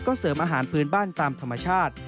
ก็เสริมอาหารพื้นบ้านตามธรรมชาติ